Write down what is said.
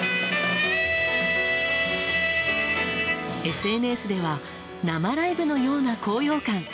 ＳＮＳでは生ライブのような高揚感。